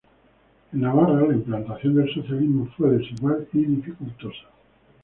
En Navarra, la implantación del socialismo fue desigual y dificultosa.